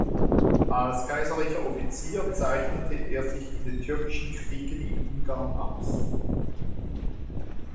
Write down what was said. Als kaiserlicher Offizier zeichnete er sich in den türkischen Kriegen in Ungarn aus.